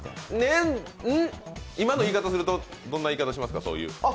今の言い方すると、どんな言い方しますか？